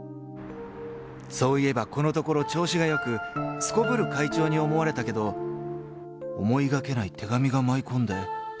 ［そういえばこのところ調子がよくすこぶる快調に思われたけど思いがけない手紙が舞い込んで］